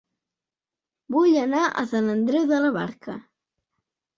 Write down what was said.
Vull anar a Sant Andreu de la Barca